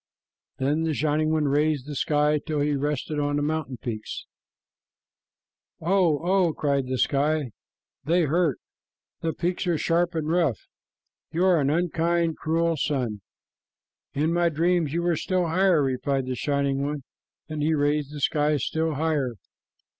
Then the Shining One raised the sky till he rested on the mountain peaks. "Oh! oh!" cried the sky. "They hurt. The peaks are sharp and rough. You are an unkind, cruel son." "In my dreams you were still higher up," replied the Shining One, and he raised the sky still higher.